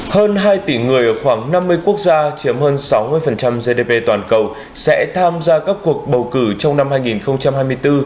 hơn hai tỷ người ở khoảng năm mươi quốc gia chiếm hơn sáu mươi gdp toàn cầu sẽ tham gia các cuộc bầu cử trong năm hai nghìn hai mươi bốn